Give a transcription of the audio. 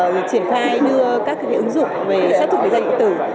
để triển khai đưa các ứng dụng về sát thục định danh điện tử